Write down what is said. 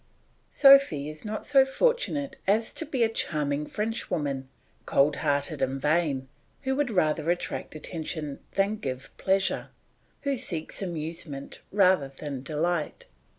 Sophy is not so fortunate as to be a charming French woman, cold hearted and vain, who would rather attract attention than give pleasure, who seeks amusement rather than delight.